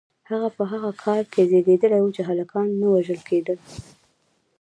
هغه په هغه کال کې زیږیدلی و چې هلکان نه وژل کېدل.